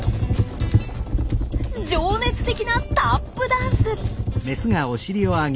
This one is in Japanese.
情熱的なタップダンス！